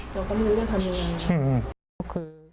เดี๋ยวก็ไม่รู้เรื่องทางเดียวกันอืมทุกคือ